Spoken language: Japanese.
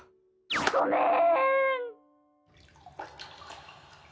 ごめん！